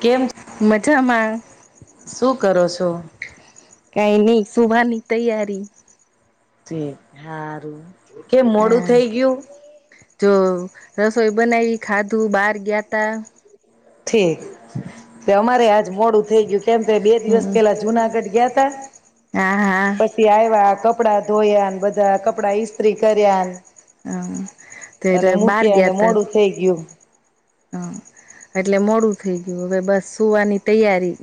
કેમ [inaudible] જમા શું કરો છો? કઈ નઈ સુવાની તૈયારી. હારું. કેમ મોડું થઇ હા ગયું? જો રસોઈ બનાવી, ખાધું, બહાર ગ્યાતા. ઠીક. તી અમારેય આ જ મોડું થઈ ગયું કેમ કે બે દિવસ હમ પેલા જુનાગઢ ગયાતા, હા હા પછી આવ્યા, કપડા ધોયા, બધા કપડા ઈસ્ત્રી કર્યા હા અને ત્યારે બહાર મૂક્યા ગયા અને તા મોડું થઈ ગયું. હા. એટલે મોડું થઈ ગયું, હવે બસ સુવાની તૈયારી.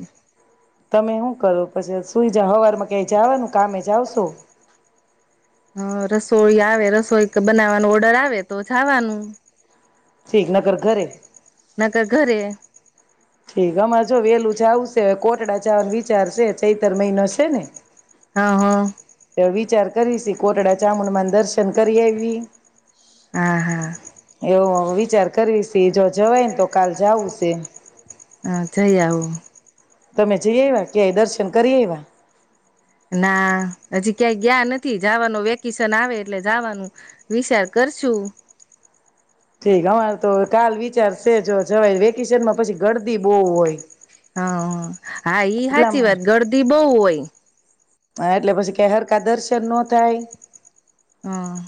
તમે હુ કરો પછી? હુએ જાઓ હવારમાં કય જવો કામે જાઓ છો હ રસોઈ આવે રસોઈ બનાવવાનું ઓર્ડર આવે તો જાવાનું, ઠીક નગર ઘરે નકર ઘરે. ઠીક. અમારે જો વેલું જવુંસ અત્યારે કોટડા જવાનો વિચાર છે ચૈતર મહિનો છે ને હા. હા. વિચાર કરી સ કોટડા જામુન મા ના દર્શન કરી આવી હા હા. એવું વિચાર કરવીશ જો જવાય ને તો કાલ જવું છે હા જઈ આવું તમે જઈ એવા ક્યાય દર્શન કરી આયવા ના હજી ક્યાંય ગયા નથી જવાનું વેકેશન આવે એટલે જવાનું વિચાર કરશુ ઠીક અમારે તો કાલ વિચાર છે જો જવાયે વેકેશનમાં પછી ગરદી બો હોય હા હા ઈ સાચી એટલામાં વાત ગરદી બહુ હોય હા એટલે પછી કયા હરકા દર્શન ન થાય હા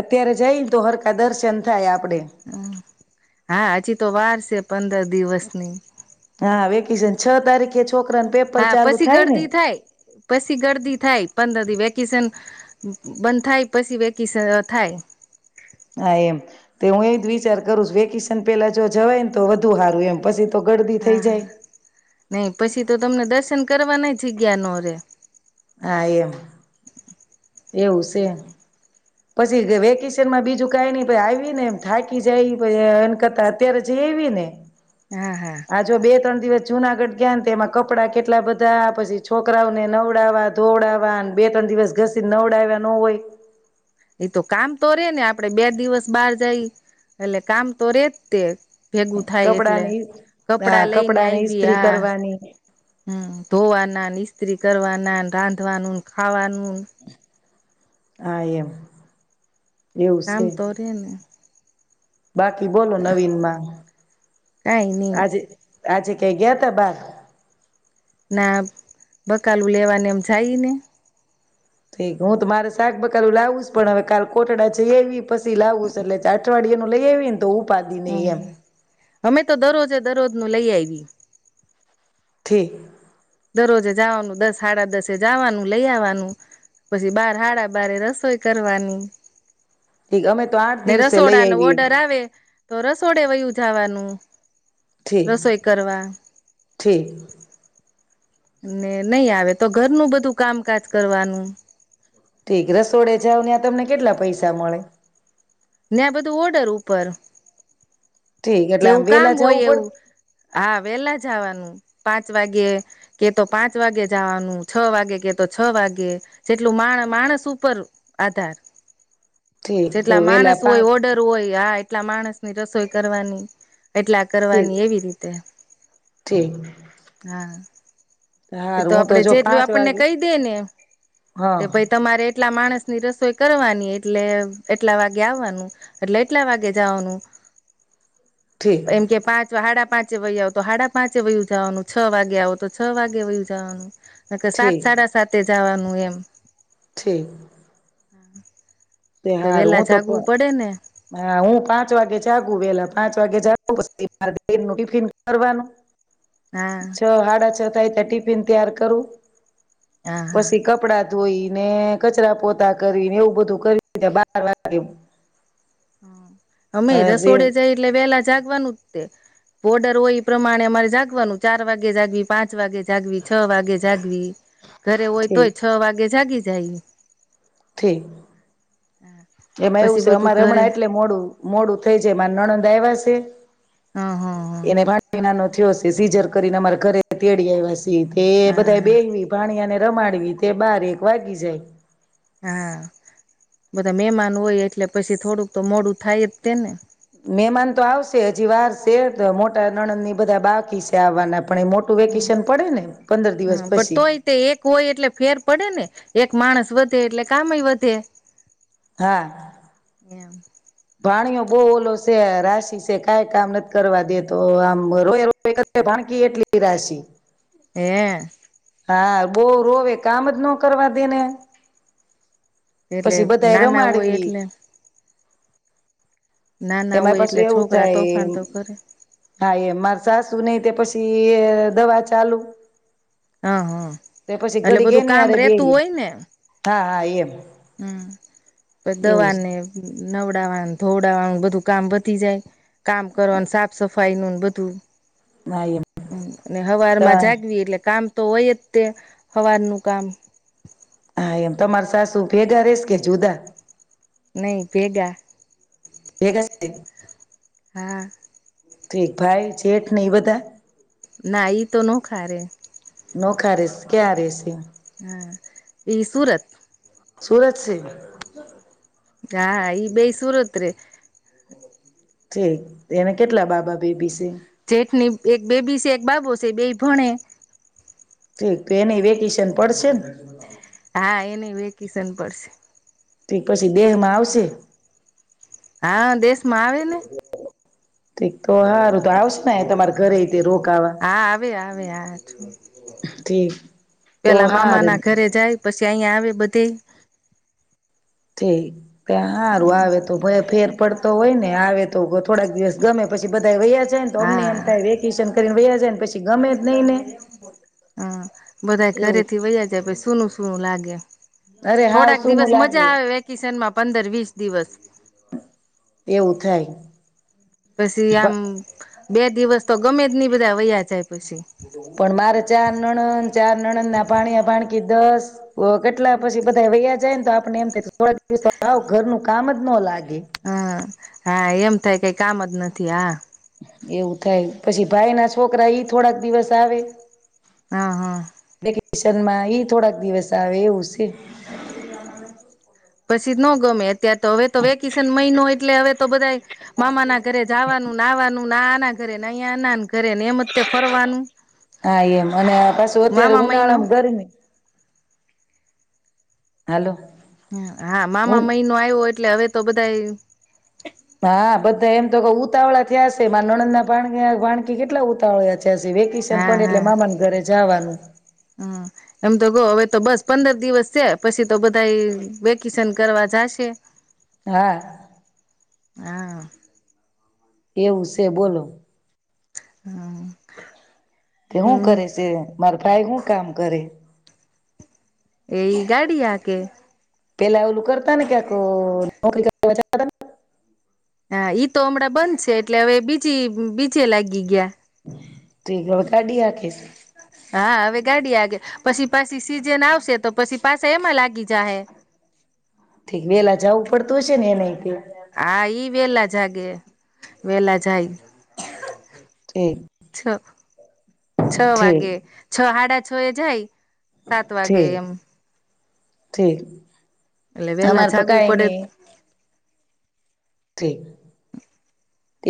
અત્યારે જઈને તો હરકા દર્શન થાય આપ હમ્મ હા હજી તો વાર છે પંદર દિવસની વેકેશન છ તારીખે છોકરાને પેપર હા ચાલુ પછી થાય ને ગરદી થાય પછી ગરદી થાય પંદર દિવ વ વેક્સન બંધ થાય પછી વેકેશન થાય હા એમ તે હું એ જ વિચાર કરું છ વેકેશન પેલા જો જવાય ને તો વધુ સારું એમ પછી તો ગરદી થઈ હા જાય હા નહી પછી તો તમને દર્શન કરવા ન જગ્યા ન રે હા એમ [inaudible] એવું છે પછી વેકેશનમાં બીજું કઈ ની ભાઈ આવીને થાકી જાય એ કરતા અત્યારે જઈ આવી ને હા હા આ જો બે ત્રણ દિવસ જુનાગઢ ગયા ને તે એમાં કપડા કેટલા બધા પછી છોકરાઓને નવડાવવા ધોવડાવવા બે ત્રણ દિવસ ઘસીને નવડાવ્યા ન હોય એતો કામ તો રે ને આપડે બે દિવસ બહાર જાય એટલે કામ તો રે જ તે ભેગું થાય એટલે કપડાને ઈ હા કપડા લઈને કપડાને આવ હ ઈસ્ત્રી કરવાની હમ્મ ધોવાના ઈસ્ત્રી કરવાના રાંધવાનું ખવાનું આ એમ એવું કામ સે તો રેને બાકી બોલો નવીન માં કઈ નઈ આજે આજે ક્યાઈ ગયા તા બાર ના બકાલું લેવાને એમ જાય ને ઠીક હું તો મારે શાક બકારું લાવુંશ પણ હવે કાલ કોટડા છે આવી પછી લાવું એટલે અઠવાડયિયા નું લઈ આવીને તો ઉપાદી નઈ હમ્મ એમ અમે તો દરરોજે દરરોજ નું લઈ આઈવી ઠીક દરરોજે જવાનું દસ હાડા દસે જવાનું લઈ આવવાનું પછી બાર હાડા બારે રસોઈ કરવાની ઠીક અમે તો આઠ ને દિવસે લઈ રસોડા ન આવીએ ઓર્ડર આવે તો રસોડે વયું જવાનું ઠીક રસોઈ કરવા ઠીક ને નહી આવે તો ઘરનું બધું કામકાજ કરવાનું ઠીક રસોડે જાઓ ને આ તમને કેટલા પૈસા મળે ને આ બધું ઓર્ડર ઉપર ઠીક એટલે આમ જેવું કામ વેલા જવું હોય પડે એવું હા વેલા જાવાનું પાંચ વાગે કે તો પાંચ વાગે જવાનું છ વાગે કે તો છ વાગે જેટલું માણ માણસ ઉપર આધાર ઠીક તો જેટલા વેલા માણસ પાંચ હોય ઓર્ડર હોય આ એટલા માણસ ની રસોઈ કરવાની એટલા ઠીક કરવાની એવી રીતે ઠીક હા એ તો હારું હું આપડે જો જેટલું પાંચ આપણને વાગે કહી દે ને હા કે ભાઈ તમારે એટલા માણસ ની રસોઈ કરવાની એટલે એટલા વાગે આવવાનું એટલે એટલા વાગે જવાનું ઠીક એમ કે પાંચ હાડા પાંચ પાંચે વય આવ તો હાડા પાંચે વય ઉ જવાનું છ વાગે આવો તો છ વાગે [unintelligible] જાવાનું કે સાત ઠીક સાડા સાતે જાવાનું હું એમ ઠીક [inaudible] તે હારું વેલા હું તો જાગવું પડે ને હા હું પાંચ વાગે જાગુ વેલા પાંચ વાગે જાગું [unintelligible] ટિફિન કરવાનું હા છ હાડા છ થાય તીયા ટિફિન તીયાર કરું હા હા પસી કપડા ધોઈ ને કચરા પોતા કરી ને એવું બધું કરી [inaudible] હા. અમે રસોડે જાઈ એટલે વેલા જાગવાનું તે બોર્ડર હોય ઈ પ્રમાણે અમારે જાગવાનું. ચાર વાગે જાગવી પાં ચ વાગે જાગવી, છ વાગે જાગવી. ઘરે હોય ઠીક તોય છ વાગે જાગી જાય. ઠીક, એમાં પછી એવું સે બધું અમા ઘરે રમણા એટલે મોડું મોડું થઈ જાય માર નણં દ આયવા સે. હં, હં, હં. થયો સે. સીજર કરીને અમારા ઘરે તેડી આવ્યા સ તે હા બધાય હા બેવી ભાણીયાને રમાડવી તે બાર, એક વાગી જાય. હા, બધા મેમાન હોય એટલે પછી થોડુંક તો મોડું થાય જ તે ને. મેમાન તો આવશે હજી વાર સે તો મોટા નણંદ ને ઈ બધા બાકી સે આવવાના. પણ એ મોટું હા, વેકેશન પડે ને પંદર દિવસ હા, પણ પછી તોય તે એક હોય એટલે ફેર પડે ને. એક માણસ વધે એટલે કામ એય વધે. હા, એમ ભાણીઓ બોવ ઓલો સે રાશિ સે કાય કામ નથ કરવા દેતો. આમ રોયા રોય [unintelligible] ભાણકી એટલી રાશિ. હે. હા, બોવ રોવે કામ જ નો કરવા દે ને. એટલે પછી બધા એ નાના વોય રમાડવી એટલે નાના એમાય હોય પાસુ એટલે એવું છોકરા થાય. તોફાન તો કરે હા, એ માર સાસુનેય તે પસી અ દવા ચાલુ. હા, હં, તે પછી એટલે ઘડી બધું એની કામ હારે રેતું બેહી હોય ને. હા હા એમ હમ્મ પ એવું છે. દવાને નવડાવાન ધોવડાવાનું બધું કામ પતી જાય. કામ કરવાનુ સાફ સફાઈ નું ન બધું. હા એમ હમ્મ, અને હવારમાં જાગવી એટલે કામ તો હોય જ તે. હવારનું કામ હા, એમ તમાર સાસુ ભેગા રેસ કે જુદા? નય, ભેગા. એ કશે હા. ઠીક ભાઈ જેઠ ને ઈ બધા? ના, ઈ તો નોખા રે. નોખા રેસ, ક્યાં રે સે? હા, ઈ સુરત. સુરત સે? હા, ઈ બેય સુરત રે. ઠીક એને કેટલા બાબા બેબી છે? જેઠની એક બેબી છે એક બાબો છે બેય ભણે. ઠેક તો એનેય વેકેશન પડશે જ ને. હા એને વેકેશન પડશે. તો એક પછી બેહ માં આવશે. હા દેશમાં આવે ને ઠીક તો હારું તો આવશે ને તમારે ઘરેય? હા આવે આવે આ ઠીક તો પેલા મામા હારું ના ઘરે જાય પછી આયા આવે બધેય તોય. તી આ હારું આવે તો ભય ફેર પડ તો હોય ને આવે તો થોડાક દિવસ ગમે પછી બધા વયા જાય ને તો અમનેય એમ થાય વેકેશન કરીને વયા જાય ને પછી ગમે જ નહી ને હમ બધા એવું ઘરે થી વયા જાય પછી સૂનું સૂનું લાગે. અરે હાવ થોડાક સૂનું દિવસ લાગે મજા આવે વેકેશન માં પંદર વિસ દિવસ એવું થાય. પસી આમ બે દિવસ તો ગમે જ ની બધા વયા જાય પછી પણ મારે ચાર નણંદ ચાર નણંદ ના ભાણીયા ભાણકી દસ કેટલા પછી બધા વયા જાય ને તો આપણે એમ થાય કે થોડાક દિવસ હાવ ઘરનું કામ જ ન લાગે. [unintelligible] હા હા એમ થાય કઈ કામ જ નથી હા એવું થાય પછી ભાઈ ના છોકરા ઈ થોડાક દિવસ આવે હા, હા. કેશનમાં ઈ થોડાક દિવસ આવે એવું છે. પછી નો ગમે ત્યાં તો હવે તો વેકેશન મહિનો એટલે હવે તો બધાય મામા ના ઘરે જવાનુંને આવાનુંને આ ના ની ઘરે ને આયા આનાન હા એમ અને પાછું અત્યારે મામા મહિનો ઉનાળામાં ગરમી હાલો. હા ઉ મામા મહિનો આવ્યો એટલે હવે તો બધાય હા બધા એમ તો ઉતાવળા થયા છે. મારા નણંદ ના ભાણીયા ભાણકી કેટલા ઉતાવળ વેકેશન હા પણ એટલે હા મામા ઘરે જવાનું. હમ એમ તો કહ હવે તો બસ પંદર દિવસ છે. પછી તો બધા વેકેશન કરવા જશે. હા. હા. એવું છે બોલો. [unintelligible] હા તે શું કરે છે? મારા ભાઈ હું કામ કરે? કે ઈ ગાડી હાંકે પેલા ઓલુ કરતા ને ક્યાંક ક [unintelligible] હા ઈ તો હમણાં બંધ છે. એટલે હવે બીજી બીચે લાગી ગયા [unintelligible] કાઢી આખીશ આવે ગાડી આગે પછી પાછી સીજન આવશે તો પછી પાછા એમાં લાગી જાય ઠીક વેલા જવું પડત તુ ષન એ ન કે હા ઈ વેલા જાગે વેલા જાય ઠીક છે. છ ઠીક વાગે છ હાડા છય જાય સાત વાગે ઠીક એમ ઠીક એટલે વેલા અમારે તો જાગવું કઈ પડે ઠિક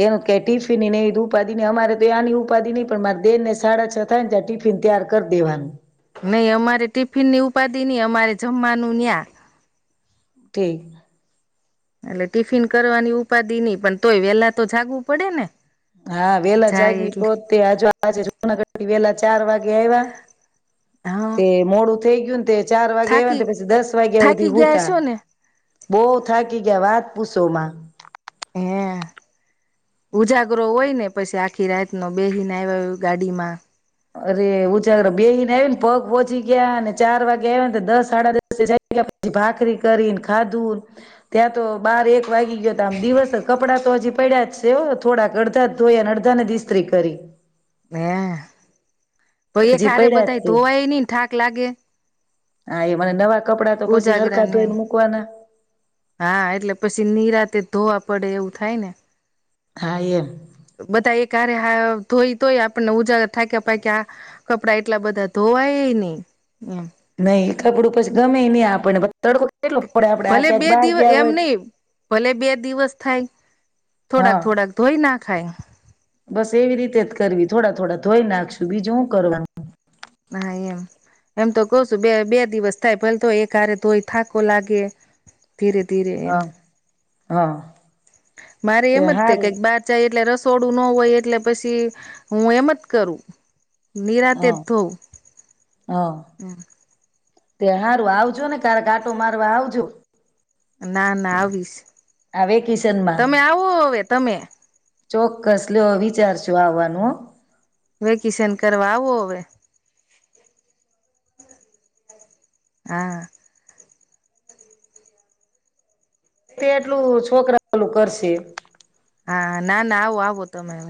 એનું કે ટિફિન એ ઉપાધિ ન અમારે તો આની ઉપાધિ નહી પણ મારા દિયર ને સાડા છ થાય ને ટિફિન ત્યાર કરી દેવાનું નહી અમારે ટિફિનની ઉપાધિ નહી અમારે જમવાનું ન્યા ઠીક એટલે ટિફિન કરવાની ઉપાધિ નઈ પણ તોય વેલા તો જાગવું પડે ને હા વેલા જાય જાગવી એટલે પોતે આજ [unintelligible] આજે પ વેલા ચાર વાગે આવ્યા હા તે મોડ હે ગયં તે ચાર વાગે આવય થાકી પછી દસ વાગ્યા થાકી સુધી ગયા હુંતા હશો ને બહુ થાકી ગયા વાત પુસો માં હ ઉજાગરો હોય ને પછી આખી રાતનો બેહીને આવયા ગાડીમાં અરે, ઉંજાગરા બેહીને આવી ન પગ પોચી ગ્યા ને ચાર વાગ્યે આવ્યા ન તો દસ સાડા દસે જાગ્યા પછી ભાખરી કરીન ખાધુંન ત્યાં તો બાર એક વાગી ગ્યોત આમ દિવસ કપડાં તો હજી પયડા જ છે હો થોડાક અડધા જ ધોયાને અડધા ન જ ઈસ્ત્રી કરી. હે! ભઈ એક હજી હારે પડ્યા જ બધાય છે ધોવાય ની થાક લાગે. હા, એ મારા નવા કપડાં તો પછી ઉજાગરા હરકા નેમ. ધોઈને મૂકવાના હા, એટલે પસી નીરાતે ધોવા પડે એવું થાય ને. હા, એમ. ક્યારે હાવ ધોઈ તોય આપણને ઉજાગરા થાક્યા પાક્યા આ કપડાં એટલા બધા ધોવાય નહી. હમ. નહી કપડું પછ ગમેઈ ને આપણ ન તડકો કેટલું પડે આપડે આ ભલે ક્યાંક બે બહાર દિવસ ગ્યા એમ હોય નહી ભલે બે દિવસ થાય. હા થોડાક થોડાક ધોઈ નાખ ખાઈન બસ એવી રીતે જ કરવી થોડા થોડા ધોઈ નાખશું બીજું હું કરવાનું. હા, એમ. એમ તો કઉ સુ બે બે દિવસ થાય પન તોય એકહારે ધોય થાકો લાગે. ધીરે ધીરે એમ. હા હા. મારે એમ જ તે કે બાર જાય એટલે રસ તોડું નો હોય એટલે પસી હું એમ જ કરું. નિરાતે હા ધોવુ. હા હમ. તે હારૂ આવજો ને કારેક આંટો મારવા આવજો. ના ના આવીશ. આ વેકેશનમાં તમે આવો હવે તમે. ચોક્કસ લ્યો વિચારશો આવવાનું હો. વેકેશન કરવા આવો હવે. હા. તે આટલું છોકરા ઓલું કરશે. હા, ના ના આવું આવો તમે.